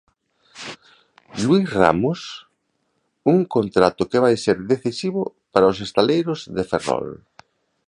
Luís Ramos, un contrato que vai ser decisivo para os estaleiros de Ferrol.